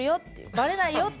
バレないよって。